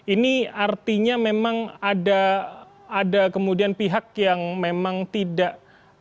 ini artinya memang ada kemudian pihak yang memang tidak